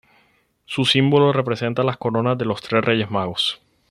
Su símbolo representa las coronas de los tres Reyes Magos.